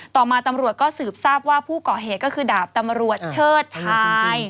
ต่อมาตำรวจก็สืบทราบว่าผู้ก่อเหตุก็คือดาบตำรวจเชิดชาย